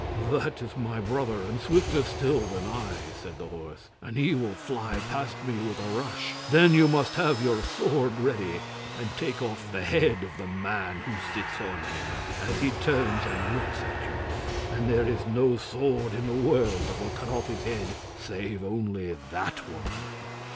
'That is my brother, and swifter still than I,' said the horse, 'and he will fly past me with a rush. Then you must have your sword ready, and take off the head of the man who sits on him, as he turns and looks at you. And there is no sword in the world that will cut off his head, save only that one.